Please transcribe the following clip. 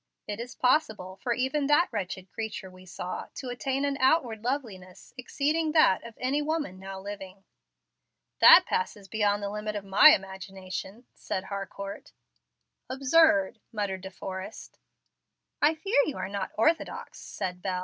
It is possible for even that wretched creature we saw to attain an outward loveliness exceeding that of any woman now living." "That passes beyond the limit of my imagination," said Harcourt. "Absurd!" muttered De Forrest. "I fear you are not orthodox," said Bel.